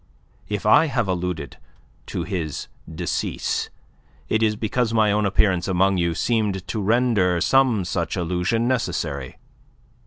If I have alluded to his decease, it is because my own appearance among you seemed to render some such allusion necessary.